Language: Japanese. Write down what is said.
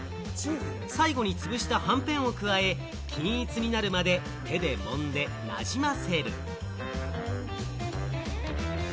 最後につぶしたはんぺんを加え、均一になるまで手で揉んでなじませる。